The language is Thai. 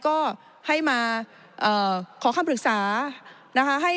ก็ให้มาขอคำปรึกษา